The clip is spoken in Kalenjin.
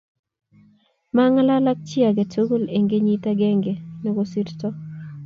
mang'alan ak chi age tugul eng' kenyit agenge ne kosirto